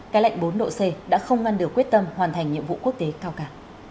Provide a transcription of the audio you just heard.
cái lạnh bốn độ c đã không ngăn được quyết tâm hoàn thành nhiệm vụ quốc tế cao cả